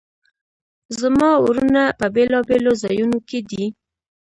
زما وروڼه په بیلابیلو ځایونو کې دي